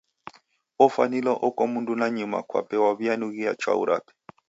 Ofwanilwa oko mndu nanyuma kwape waw'ianughia chwau rape.